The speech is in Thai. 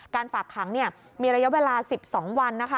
ฝากขังมีระยะเวลา๑๒วันนะคะ